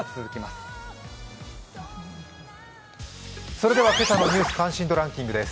それでは今朝の関心度ランキングです。